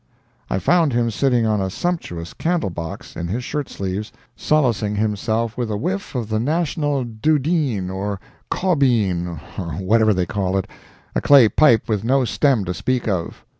I found him sitting on a sumptuous candle box, in his shirt sleeves, solacing himself with a whiff of the national dhudeen or caubeen or whatever they call it—a clay pipe with no stem to speak of.